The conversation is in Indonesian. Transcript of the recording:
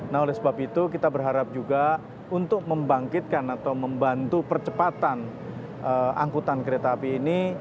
nah oleh sebab itu kita berharap juga untuk membangkitkan atau membantu percepatan angkutan kereta api ini